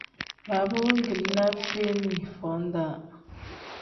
Baaba wengilinaa feeni foo-daa.